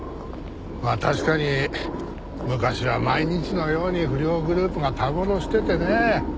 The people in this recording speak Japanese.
まあ確かに昔は毎日のように不良グループがたむろしててね。